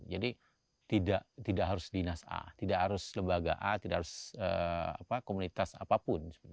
jadi tidak harus dinas a tidak harus lembaga a tidak harus komunitas apapun